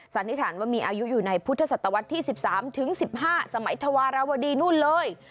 สันนิษฐานว่ามีอายุอยู่ในพุทธศตวรรษที่สิบสามถึงสิบห้าสมัยธวารวดีนู่นเลย